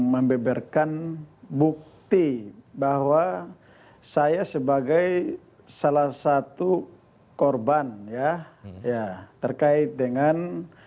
membeberkan bukti bahwa saya sebagai salah satu korban ya terkait dengan